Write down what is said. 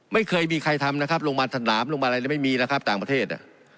ไม่เคยมีใครทำนะครับลงมาสนามโรงพยาบาลอะไรไม่มีนะครับต่างประเทศ